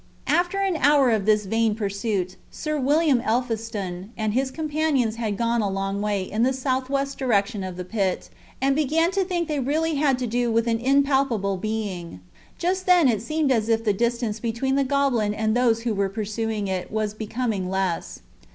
After an hour of this vain pursuit Sir William Elphiston and his companions had gone a long way in the southwest direction of the pit, and began to think they really had to do with an impalpable being. Just then it seemed as if the distance between the goblin and those who were pursuing it was becoming less.